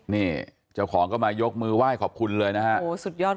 เนี่ยเจ้าของก็มายกมือว่ายขอบคุณเลยนะฮะ